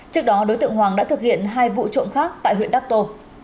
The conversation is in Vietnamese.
trước đó đối tượng hoàng đã thực hiện hai vụ trộm khác tại huyện đắc tô